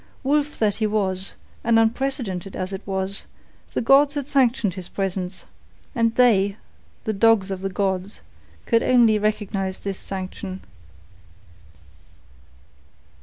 Wolf that he was, and unprecedented as it was, the gods had sanctioned his presence, and they, the dogs of the gods, could only recognise this sanction.